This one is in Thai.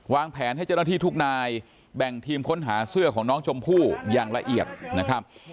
แผนให้เจ้าหน้าที่ทุกนายแบ่งทีมค้นหาเสื้อของน้องชมพู่อย่างละเอียดนะครับ